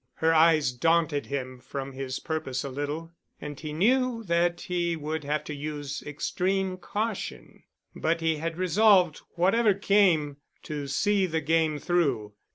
Her eyes daunted him from his purpose a little, and he knew that he would have to use extreme caution, but he had resolved whatever came to see the game through.